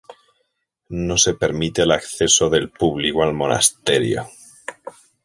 No se permite el acceso del público al monasterio.